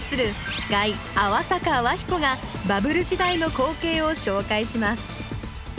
司会泡坂泡彦がバブル時代の光景を紹介します